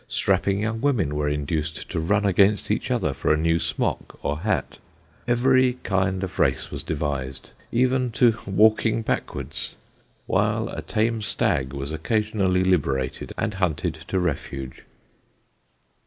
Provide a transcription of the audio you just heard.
Strapping young women were induced to run against each other for a new smock or hat. Every kind of race was devised, even to walking backwards; while a tame stag was occasionally liberated and hunted to refuge.